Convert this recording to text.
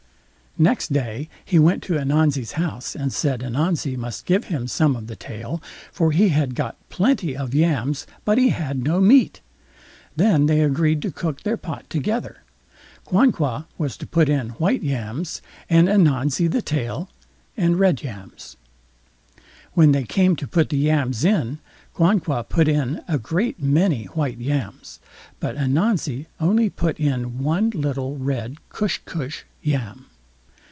Next day he went to Ananzi's house, and said, Ananzi must give him some of the tail, for he had got plenty of yams, but he had no meat. Then they agreed to cook their pot together. Quanqua was to put in white yams, and Ananzi the tail, and red yams. When they came to put the yams in, Quanqua put in a great many white yams, but Ananzi only put in one little red cush cush yam.